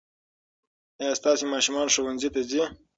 ايا ستاسې ماشومان ښوونځي ته ځي؟